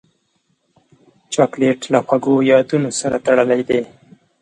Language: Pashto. چاکلېټ له خوږو یادونو سره تړلی دی.